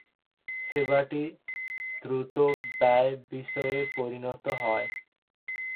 সেবাটি দ্রুত ব্যয় বিষয়ে পরিণত হয়।